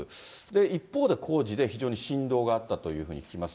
一方で、工事で非常に振動があったというふうに聞きます。